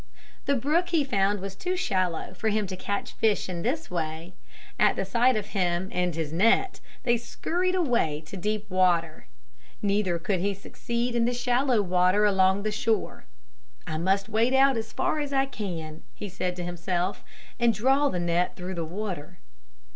The brook he found was too shallow for him to catch fish in this way. At the sight of him and his net, they scurried away to deep water. Neither could he succeed in the shallow water along the shore. "I must wade out as far as I can," he said to himself, "and draw the net through the water."